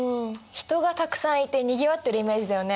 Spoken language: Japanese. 人がたくさんいてにぎわってるイメージだよね。